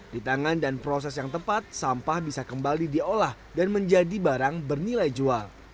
di tangan dan proses yang tepat sampah bisa kembali diolah dan menjadi barang bernilai jual